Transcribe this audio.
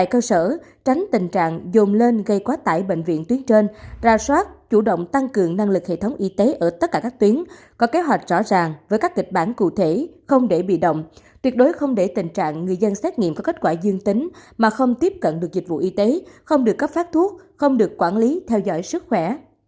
có kế hoạch rõ ràng với các kịch bản cụ thể không để bị động tuyệt đối không để tình trạng người dân xét nghiệm có kết quả dương tính mà không tiếp cận được dịch vụ y tế không được cấp phát thuốc không được quản lý theo dõi sức khỏe